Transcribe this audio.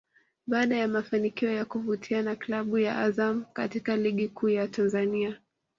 Baada ya mafanikio ya kuvutia na klabu ya Azam katika Ligi Kuu ya Tanzania